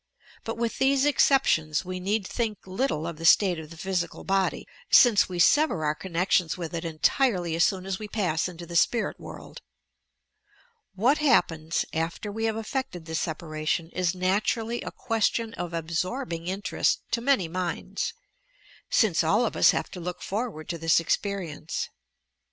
But with these exceptions, we need think little of the state of the phj sieal body, since we sever our connections with it entirely as soon as we pass into the spirit world. What happens after we have effected this separation is naturally a question of absorbing in terest to many minds, since all of ua have to look for ward to this experience.